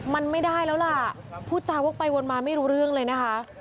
มันไม่ได้แล้วล่ะพูดจาวกไปวนมาไม่รู้เรื่องเลยนะคะ